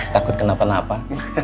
takut kena penah pak